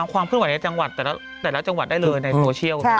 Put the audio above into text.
ความเคลื่อนไหวในจังหวัดแต่ละจังหวัดได้เลยในโซเชียล